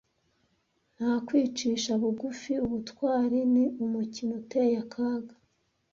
Nta kwicisha bugufi, ubutwari ni umukino uteye akaga.